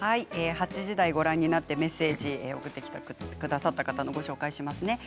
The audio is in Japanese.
８時台、ご覧になってメッセージを送ってきてくださった方ご紹介しますね。